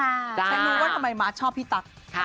ฉันรู้ว่าทำไมมาร์ทชอบพี่ตั๊ก